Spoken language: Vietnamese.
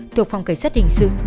thuộc phòng cảnh sát hình sự